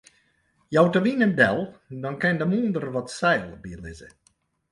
Jout de wyn him del, dan kin de mûnder wat seil bylizze.